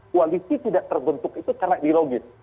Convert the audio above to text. koalisi tidak terbentuk itu karena ideologis